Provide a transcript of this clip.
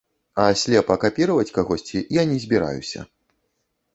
А слепа капіраваць кагосьці я не збіраюся.